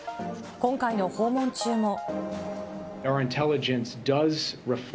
今回の訪問中も。